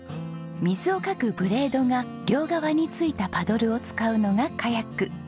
水をかくブレードが両側についたパドルを使うのがカヤック。